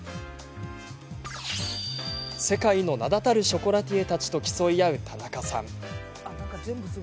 世界の名だたるショコラティエたちと競い合う田中さん。